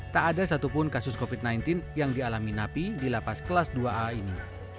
tak ada satupun kasus covid sembilan belas yang dialami napi di lapas kelas dua a ini